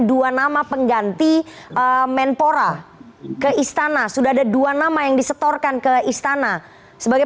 dua nama pengganti menpora ke istana sudah ada dua nama yang disetorkan ke istana sebagai